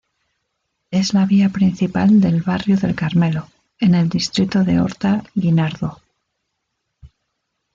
Es la vía principal del barrio del Carmelo, en el distrito de Horta-Guinardó.